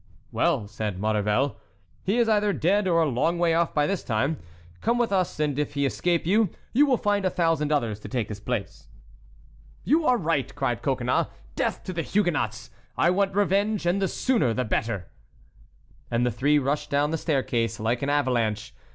"Well," said Maurevel, "he is either dead or a long way off by this time. Come with us; and if he escape you, you will find a thousand others to take his place." "You are right," cried Coconnas. "Death to the Huguenots! I want revenge, and the sooner the better." And the three rushed down the staircase, like an avalanche.